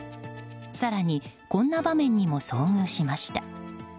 更に、こんな場面にも遭遇しました。